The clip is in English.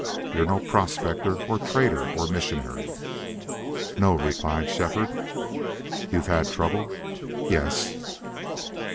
You're no prospector or trader or missionary?" "No," replied Shefford. "You've had trouble?" "Yes."